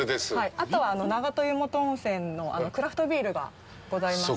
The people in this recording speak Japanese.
あとは、長門湯本温泉のクラフトビールがございます。